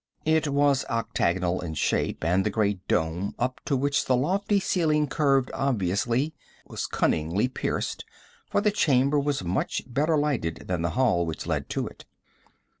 It was octagonal in shape, and the great dome up to which the lofty ceiling curved obviously was cunningly pierced, for the chamber was much better lighted than the hall which led to it.